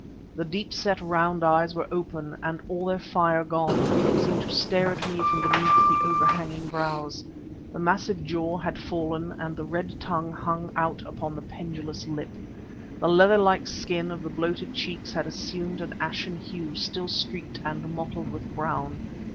The deep set round eyes were open and, all their fire gone, seemed to stare at me from beneath the overhanging brows. The massive jaw had fallen and the red tongue hung out upon the pendulous lip. The leather like skin of the bloated cheeks had assumed an ashen hue still streaked and mottled with brown.